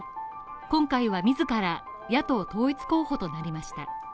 今回は自ら野党統一候補となりました。